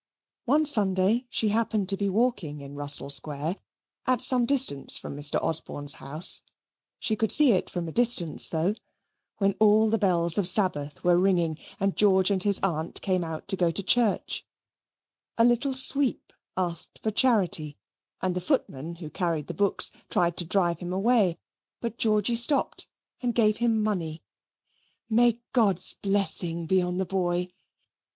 One Sunday she happened to be walking in Russell Square, at some distance from Mr. Osborne's house (she could see it from a distance though) when all the bells of Sabbath were ringing, and George and his aunt came out to go to church; a little sweep asked for charity, and the footman, who carried the books, tried to drive him away; but Georgy stopped and gave him money. May God's blessing be on the boy!